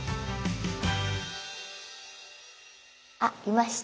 あっいました。